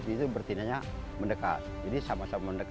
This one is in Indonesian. jika dia ingin berkahwinan dia harus komentasi